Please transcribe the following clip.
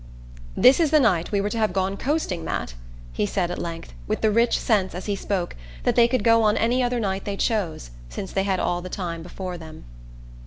"This is the night we were to have gone coasting, Matt," he said at length, with the rich sense, as he spoke, that they could go on any other night they chose, since they had all time before them.